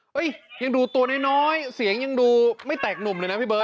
ยังดูตัวน้อยเสียงยังดูไม่แตกหนุ่มเลยนะพี่เบิร์